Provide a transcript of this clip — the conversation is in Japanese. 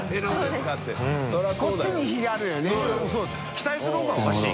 期待する方がおかしい